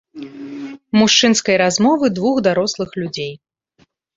Мужчынскай размовы двух дарослых людзей.